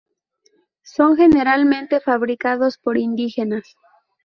Son generalmente fabricados por indígenas.